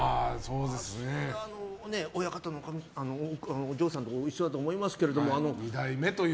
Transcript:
親方のお嬢さんとご一緒だと思いますけど。